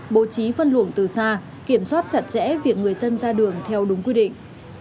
bố trí phân luồng từ xa kiểm soát chặt chẽ việc người dân ra đường theo đúng quy định